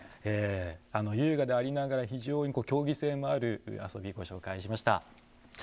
優雅でありながら非常に競技性もある遊び、ご紹介しました。